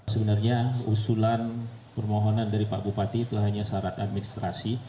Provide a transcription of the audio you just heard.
sebenarnya usulan permohonan dari pak bupati itu hanya syarat administrasi